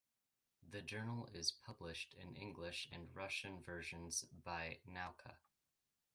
The journal is published in English and Russian versions by Nauka.